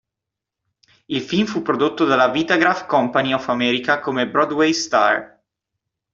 Il film fu prodotto dalla Vitagraph Company of America come Broadway Star.